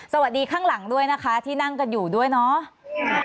สวัสดีข้างหลังด้วยนะคะที่นั่งกันอยู่ด้วยเนาะ